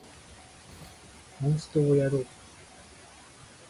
モンストをやろう